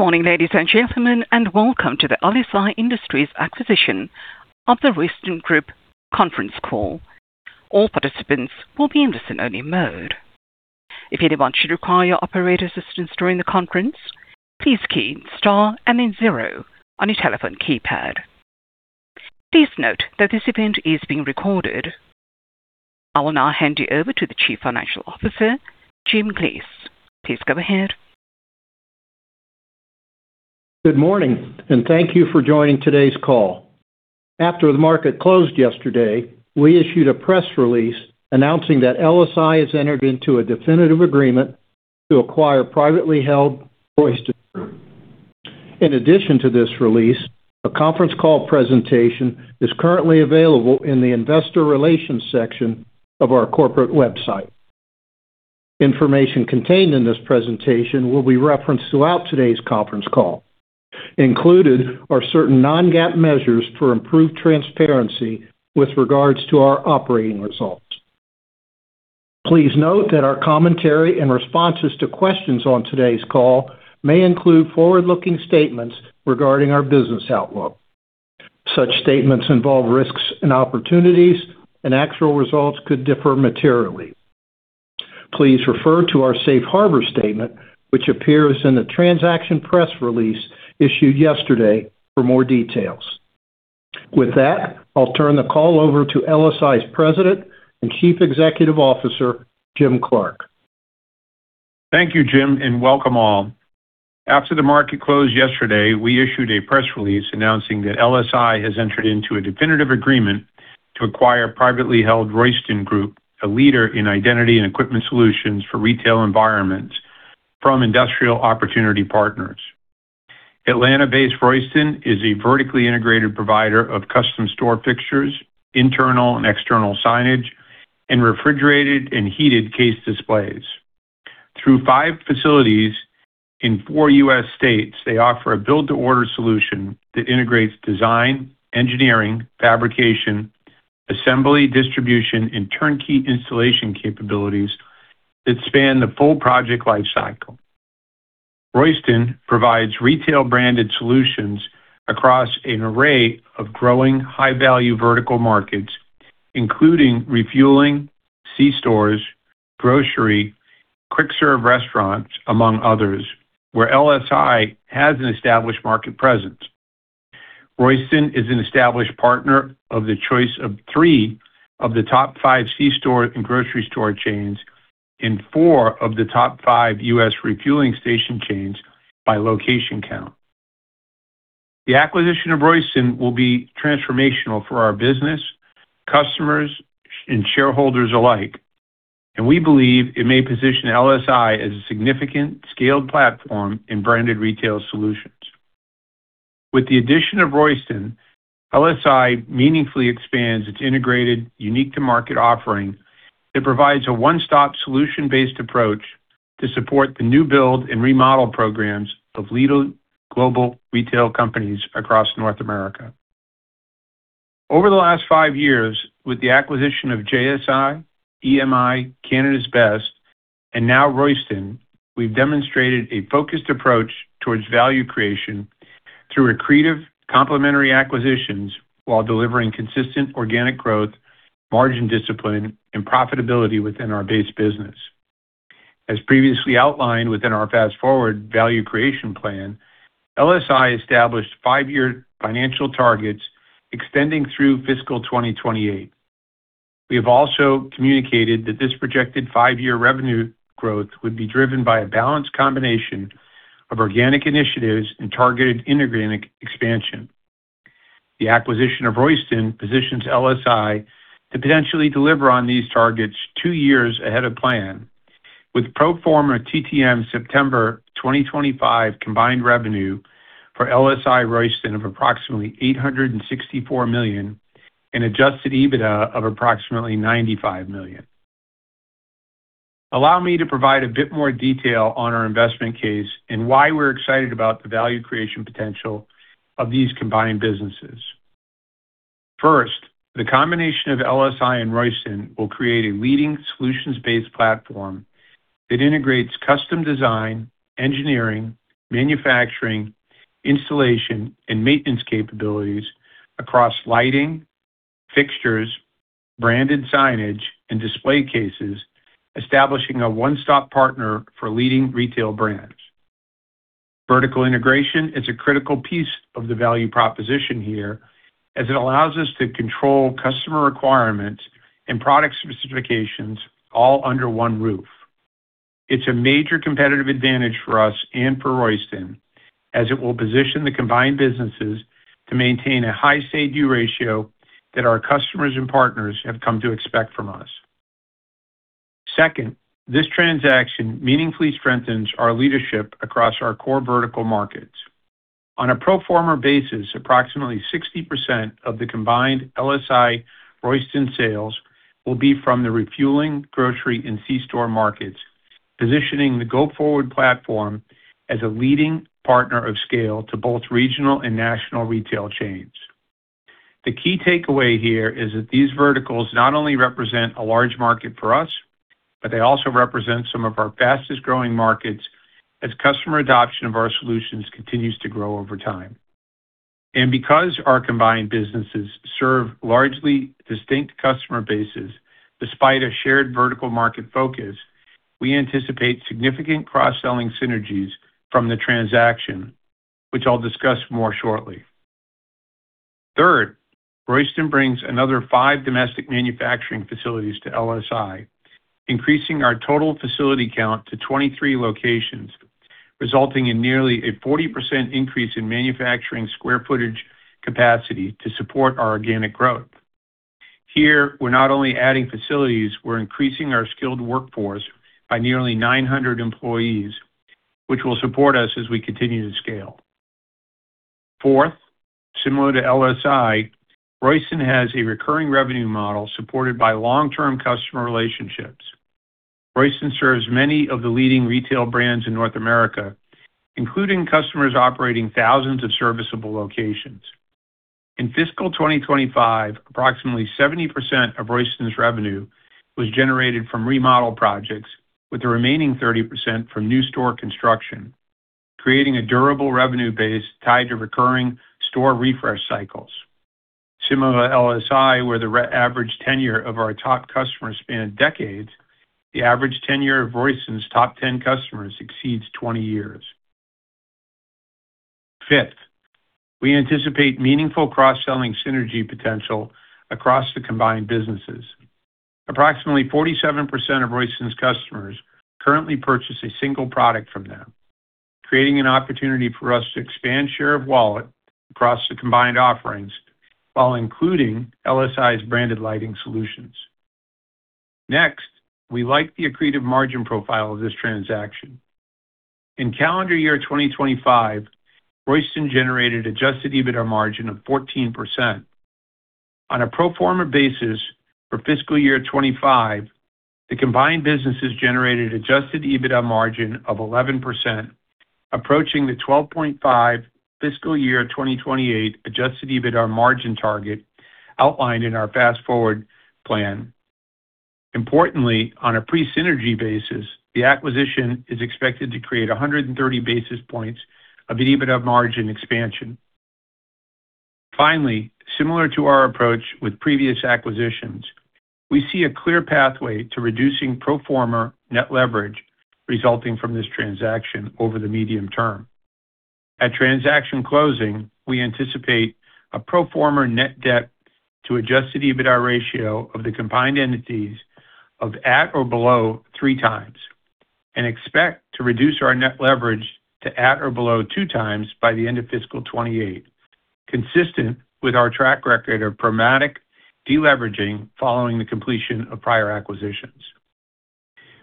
Good morning, ladies and gentlemen, welcome to the LSI Industries Acquisition of the Royston Group Conference Call. All participants will be in listen-only mode. If anyone should require operator assistance during the conference, please key star and then zero on your telephone keypad. Please note that this event is being recorded. I will now hand you over to the Chief Financial Officer, James Galeese. Please go ahead. Good morning. Thank you for joining today's call. After the market closed yesterday, we issued a press release announcing that LSI has entered into a definitive agreement to acquire privately held Royston. In addition to this release, a conference call presentation is currently available in the investor relations section of our corporate website. Information contained in this presentation will be referenced throughout today's conference call. Included are certain non-GAAP measures for improved transparency with regards to our operating results. Please note that our commentary and responses to questions on today's call may include forward-looking statements regarding our business outlook. Such statements involve risks and opportunities. Actual results could differ materially. Please refer to our safe harbor statement, which appears in the transaction press release issued yesterday for more details. With that, I'll turn the call over to LSI's President and Chief Executive Officer, Jim Clark. Thank you, Jim. Welcome all. After the market closed yesterday, we issued a press release announcing that LSI has entered into a definitive agreement to acquire privately held Royston Group, a leader in identity and equipment solutions for retail environments from Industrial Opportunity Partners. Atlanta-based Royston is a vertically integrated provider of custom store fixtures, internal and external signage, and refrigerated and heated case displays. Through five facilities in four U.S. states, they offer a build-to-order solution that integrates design, engineering, fabrication, assembly, distribution, and turnkey installation capabilities that span the full project lifecycle. Royston provides retail branded solutions across an array of growing high-value vertical markets, including refueling, C-stores, grocery, quick-serve restaurants, among others, where LSI has an established market presence. Royston is an established partner of the choice of three of the top five C-store and grocery store chains and four of the top five U.S. refueling station chains by location count. The acquisition of Royston will be transformational for our business, customers, and shareholders alike, and we believe it may position LSI as a significant scaled platform in branded retail solutions. With the addition of Royston, LSI meaningfully expands its integrated, unique-to-market offering. It provides a one-stop solution-based approach to support the new build and remodel programs of leading global retail companies across North America. Over the last five years, with the acquisition of JSI, EMI, Canada's Best, and now Royston, we've demonstrated a focused approach towards value creation through accretive complementary acquisitions while delivering consistent organic growth, margin discipline, and profitability within our base business. As previously outlined within our Fast Forward value creation plan, LSI established 5-year financial targets extending through fiscal 2028. We have also communicated that this projected 5-year revenue growth would be driven by a balanced combination of organic initiatives and targeted inorganic expansion. The acquisition of Royston positions LSI to potentially deliver on these targets two years ahead of plan, with pro forma TTM September 2025 combined revenue for LSI-Royston of approximately $864 million and Adjusted EBITDA of approximately $95 million. Allow me to provide a bit more detail on our investment case and why we're excited about the value creation potential of these combined businesses. First, the combination of LSI and Royston will create a leading solutions-based platform that integrates custom design, engineering, manufacturing, installation, and maintenance capabilities across lighting, fixtures, branded signage, and display cases, establishing a one-stop partner for leading retail brands. Vertical integration is a critical piece of the value proposition here as it allows us to control customer requirements and product specifications all under one roof. It's a major competitive advantage for us and for Royston, as it will position the combined businesses to maintain a high safety ratio that our customers and partners have come to expect from us. Second, this transaction meaningfully strengthens our leadership across our core vertical markets. On a pro forma basis, approximately 60% of the combined LSI-Royston sales will be from the refueling, grocery, and C-store markets, positioning the go-forward platform as a leading partner of scale to both regional and national retail chains. The key takeaway here is that these verticals not only represent a large market for us, but they also represent some of our fastest-growing markets as customer adoption of our solutions continues to grow over time. Because our combined businesses serve largely distinct customer bases, despite a shared vertical market focus, we anticipate significant cross-selling synergies from the transaction, which I'll discuss more shortly. Third, Royston brings another five domestic manufacturing facilities to LSI, increasing our total facility count to 23 locations, resulting in nearly a 40% increase in manufacturing square footage capacity to support our organic growth. Here, we're not only adding facilities, we're increasing our skilled workforce by nearly 900 employees, which will support us as we continue to scale. Fourth, similar to LSI, Royston has a recurring revenue model supported by long-term customer relationships. Royston serves many of the leading retail brands in North America, including customers operating thousands of serviceable locations. In fiscal 2025, approximately 70% of Royston's revenue was generated from remodel projects, with the remaining 30% from new store construction, creating a durable revenue base tied to recurring store refresh cycles. Similar to LSI, where the average tenure of our top customers span decades, the average tenure of Royston's top 10 customers exceeds 20 years. Fifth, we anticipate meaningful cross-selling synergy potential across the combined businesses. Approximately 47% of Royston's customers currently purchase a single product from them, creating an opportunity for us to expand share of wallet across the combined offerings, while including LSI's branded lighting solutions. We like the accretive margin profile of this transaction. In calendar year 2025, Royston generated Adjusted EBITDA margin of 14%. On a pro forma basis for fiscal year 2025, the combined businesses generated Adjusted EBITDA margin of 11%, approaching the 12.5% fiscal year 2028 Adjusted EBITDA margin target outlined in our Fast Forward plan. Importantly, on a pre-synergy basis, the acquisition is expected to create 130 basis points of EBITDA margin expansion. Similar to our approach with previous acquisitions, we see a clear pathway to reducing pro forma net leverage resulting from this transaction over the medium term. At transaction closing, we anticipate a pro forma net debt to Adjusted EBITDA ratio of the combined entities of at or below three times, and expect to reduce our net leverage to at or below two times by the end of fiscal 2028, consistent with our track record of pragmatic deleveraging following the completion of prior acquisitions.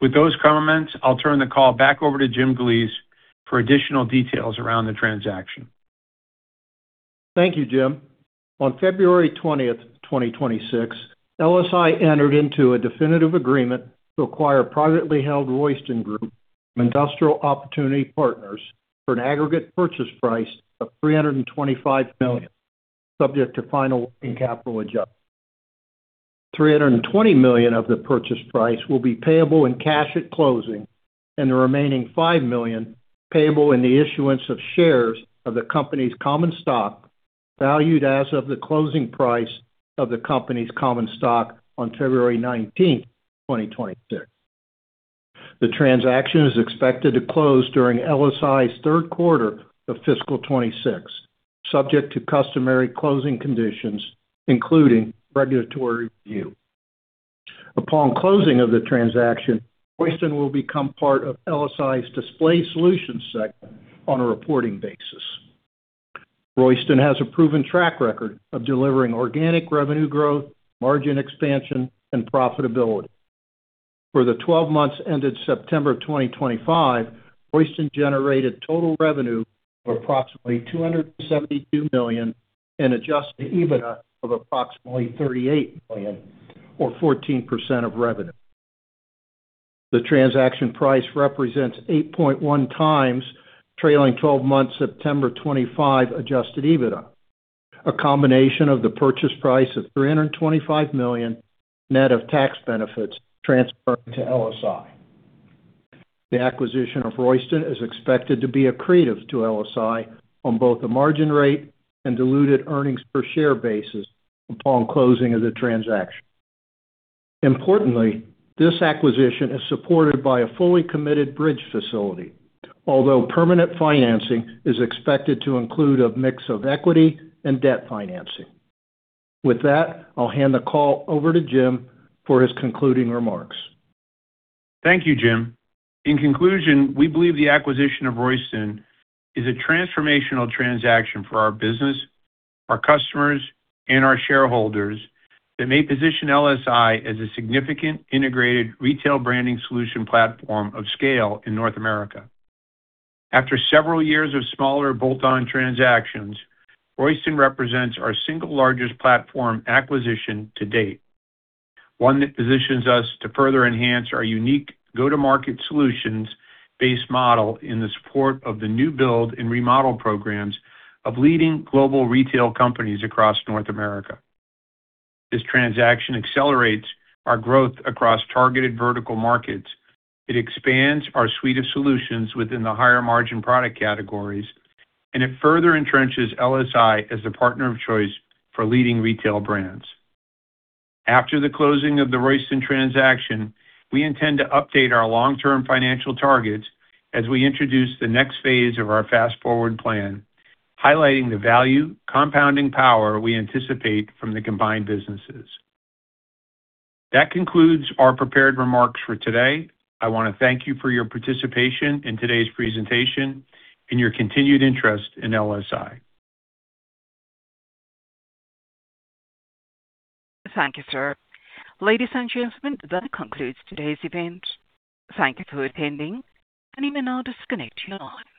With those comments, I'll turn the call back over to James Galeese for additional details around the transaction. Thank you, Jim. On February 20th, 2026, LSI entered into a definitive agreement to acquire privately held Royston Group from Industrial Opportunity Partners for an aggregate purchase price of $325 million, subject to final working capital adjustment. $320 million of the purchase price will be payable in cash at closing, and the remaining $5 million payable in the issuance of shares of the company's common stock, valued as of the closing price of the company's common stock on February 19th, 2026. The transaction is expected to close during LSI's third quarter of fiscal 2026, subject to customary closing conditions, including regulatory review. Upon closing of the transaction, Royston will become part of LSI's Display Solutions segment on a reporting basis. Royston has a proven track record of delivering organic revenue growth, margin expansion, and profitability. For the 12 months ended September 2025, Royston generated total revenue of approximately $272 million and Adjusted EBITDA of approximately $38 million, or 14% of revenue. The transaction price represents 8.1x trailing 12 months, September 2025, Adjusted EBITDA. A combination of the purchase price of $325 million, net of tax benefits, transfer to LSI. The acquisition of Royston is expected to be accretive to LSI on both the margin rate and diluted earnings per share basis upon closing of the transaction. Importantly, this acquisition is supported by a fully committed bridge facility, although permanent financing is expected to include a mix of equity and debt financing. With that, I'll hand the call over to Jim for his concluding remarks. Thank you, Jim. In conclusion, we believe the acquisition of Royston is a transformational transaction for our business, our customers, and our shareholders that may position LSI as a significant integrated retail branding solution platform of scale in North America. After several years of smaller bolt-on transactions, Royston represents our single largest platform acquisition to date, one that positions us to further enhance our unique go-to-market solutions-based model in the support of the new build and remodel programs of leading global retail companies across North America. This transaction accelerates our growth across targeted vertical markets. It expands our suite of solutions within the higher-margin product categories. It further entrenches LSI as the partner of choice for leading retail brands. After the closing of the Royston transaction, we intend to update our long-term financial targets as we introduce the next phase of our Fast Forward plan, highlighting the value compounding power we anticipate from the combined businesses. That concludes our prepared remarks for today. I want to thank you for your participation in today's presentation and your continued interest in LSI. Thank you, sir. Ladies and gentlemen, that concludes today's event. Thank you for attending. You may now disconnect your line.